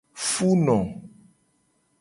Funo.